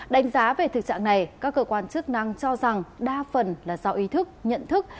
đánh giá về thực trạng này các cơ quan chức năng cho rằng đa phần là do ý thức nhận thức